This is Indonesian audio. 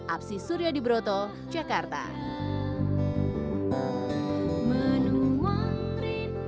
apsi suria diberkati dengan pembahasan